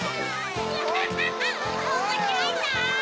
アハハハおもしろいゾウ！